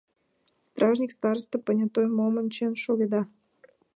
Стражник, староста, понятой, мом ончен шогеда?